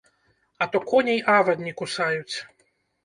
А то коней авадні кусаюць.